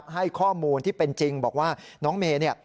ให้ข้อมูลที่เป็นจริงบอกว่าน้องเมย์เนี่ย